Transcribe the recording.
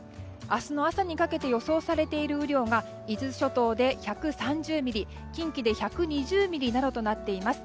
明日の朝にかけて予想されている雨量が伊豆諸島で１３０ミリ、近畿で１２０ミリなどとなっています。